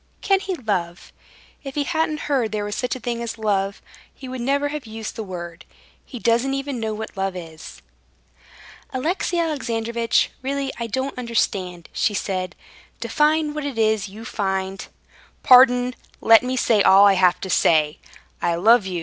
Can he love? If he hadn't heard there was such a thing as love, he would never have used the word. He doesn't even know what love is." "Alexey Alexandrovitch, really I don't understand," she said. "Define what it is you find...." "Pardon, let me say all I have to say. I love you.